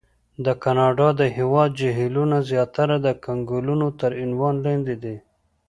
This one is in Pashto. د کاناډا د هېواد جهیلونه زیاتره د کنګلونو تر عنوان لاندې دي.